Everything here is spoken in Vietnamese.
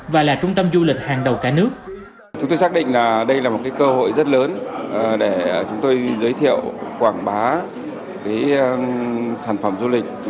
và là trung tâm du lịch hàng đầu cả nước